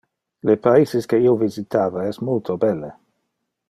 Le paises que io visitava es multo belle.